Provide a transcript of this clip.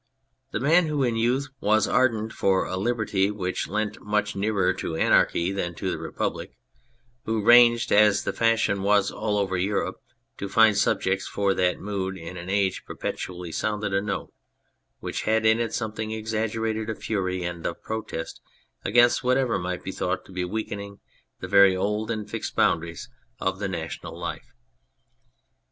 The man who in youth was ardent for a liberty which leant much nearer to anarchy than to the republic, who ranged, as the fashion was over all Europe, to find subjects for that mood, in age perpetually sounded a note which had in it something exaggerated of fury and of protest against whatever might be thought to be weakening the very old and fixed boundaries of the national 60 On a Poet life.